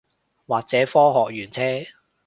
或者科學園車